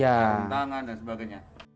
sarung tangan dan sebagainya